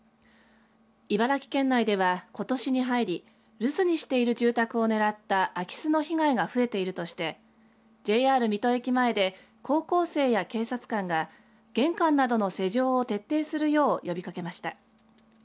茨城県内ではことしに入り留守にしている住宅を狙った空き巣の被害が増えているとしてＪＲ水戸駅前で高校生や警察官が玄関などの施錠を徹底するよう呼びかけました。